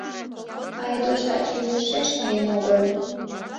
Айдуш таче йӧршеш миен огыл.